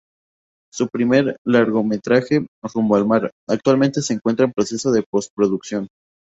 Su primer largometraje, "Rumbo al mar", actualmente se encuentra en proceso de postproducción.